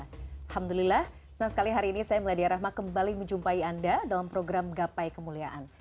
alhamdulillah senang sekali hari ini saya meladia rahma kembali menjumpai anda dalam program gapai kemuliaan